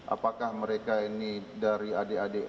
apakah mereka ini dari adik adik